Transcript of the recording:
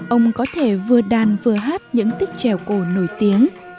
ông có thể vừa đàn vừa hát những tích trèo cổ nổi tiếng